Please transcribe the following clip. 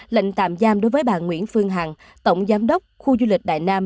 lệnh tạm giam đối với bà nguyễn phương hằng tổng giám đốc khu du lịch đại nam